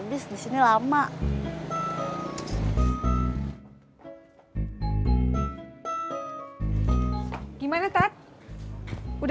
bride kalau lo kayak gitu